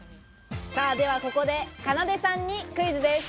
ではここで、かなでさんにクイズです。